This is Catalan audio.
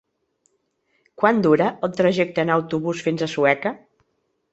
Quant dura el trajecte en autobús fins a Sueca?